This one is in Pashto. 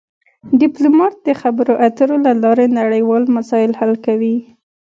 ډیپلومات د خبرو اترو له لارې نړیوال مسایل حل کوي